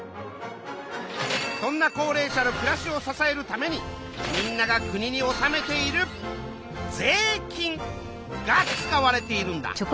そんな高齢者の暮らしを支えるためにみんなが国におさめている税金が使われているんだ。